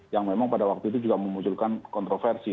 yang memang pada waktu itu juga memunculkan kontroversi